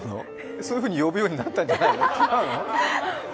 そういうふうに呼ぶようになったんじゃないの？